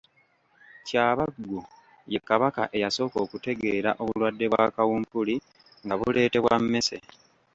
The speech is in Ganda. Kyabaggu ye Kabaka eyasooka okutegeera obulwadde bwa kawumpuli nga buleetebwa mmese.